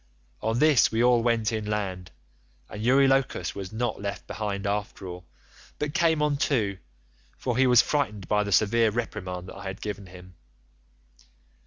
"On this we all went inland, and Eurylochus was not left behind after all, but came on too, for he was frightened by the severe reprimand that I had given him.